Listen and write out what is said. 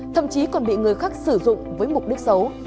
thậm chí còn bị người khác sử dụng với mục đích xấu